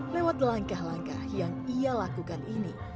lewat langkah langkah yang ia lakukan ini